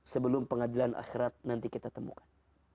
sebelum pengadilan akhirat nanti kita temukan